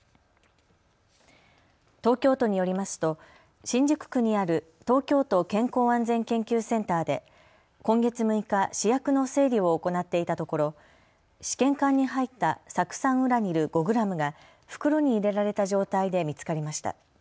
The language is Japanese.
東京都によりますと新宿区にある東京都健康安全研究センターで今月６日、試薬の整理を行っていたところ試験管に入った酢酸ウラニル５グラムが袋に入れられた状態で見つかりました。